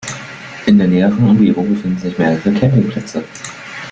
In der näheren Umgebung befinden sich mehrere Campingplätze.